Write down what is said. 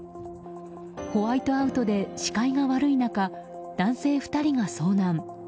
ホワイトアウトで視界が悪い中男性２人が遭難。